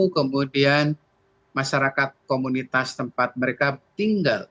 kemudian masyarakat komunitas tempat mereka tinggal